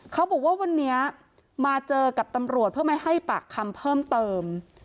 เขาบอกว่าวันนี้มาเจอกับตำรวจเพื่อไม่ให้ปากคำเพิ่มเติม